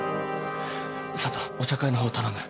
佐都お茶会の方を頼む。